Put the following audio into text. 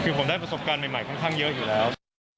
คือผมได้ประสบการณ์ใหม่ค่อนข้างเยอะอยู่แล้ว